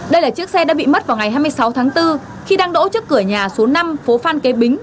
đây là chiếc xe đã bị mất vào ngày hai mươi sáu tháng bốn khi đang đỗ trước cửa nhà số năm phố phan kế bính